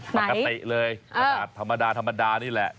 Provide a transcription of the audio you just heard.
ปกติเลยธรรมดานี่แหละ